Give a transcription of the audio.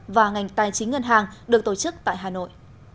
và ngành tài chính ngân hàng được tổ chức tại hà nội